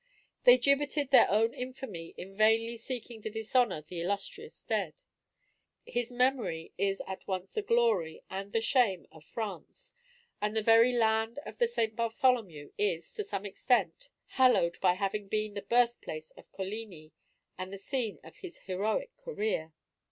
They gibbeted their own infamy in vainly seeking to dishonor the illustrious dead. His memory is at once the glory and the shame of France: and the very land of the St. Bartholomew is, to some extent, hallowed by having been the birthplace of Coligni, and the scene of his heroic career.